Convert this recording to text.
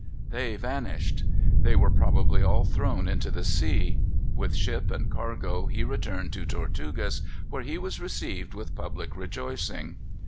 They vanished. They were probably all thrown into the sea. With ship and cargo he returned to Tortugas, where he was received with public rejoicing.